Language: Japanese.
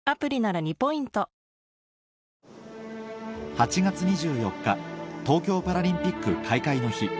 ８月２４日東京パラリンピック開会の日